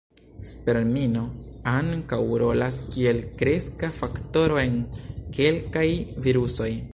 Spermino ankaŭ rolas kiel kreska faktoro en kelkaj virusoj.